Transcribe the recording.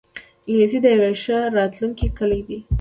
انګلیسي د یوی ښه راتلونکې کلۍ ده